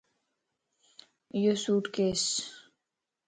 ايو سوڻ ڪيسَ